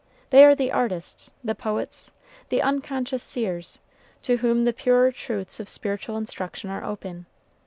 They are the artists, the poets, the unconscious seers, to whom the purer truths of spiritual instruction are open.